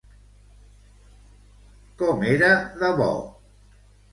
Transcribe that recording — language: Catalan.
Com era de bo?